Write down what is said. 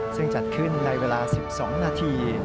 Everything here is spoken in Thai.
ซึ่งจัดขึ้นในเวลา๑๒นาที